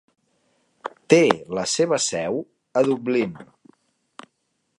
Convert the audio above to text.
Té la seva seu a Dublín.